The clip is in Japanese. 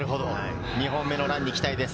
２本目のランに期待です。